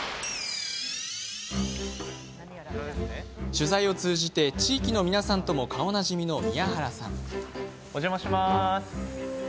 取材を通じて、地域の皆さんとも顔なじみの宮原さん。